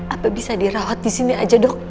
apa bisa dirawat disini aja dok